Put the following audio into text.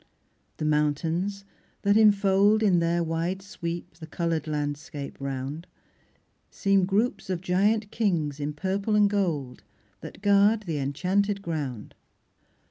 The mountains that infold, In their wide sweep, the coloured landscape round, Seem groups of giant kings, in purple and gold, That guard the enchanted ground.